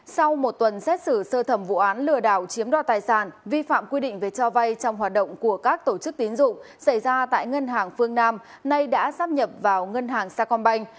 sau một tuần xét xử sơ thẩm vụ án lừa đảo chiếm đoạt tài sản vi phạm quy định về cho vay trong hoạt động của các tổ chức tín dụng xảy ra tại ngân hàng phương nam nay đã sắp nhập vào ngân hàng sacombank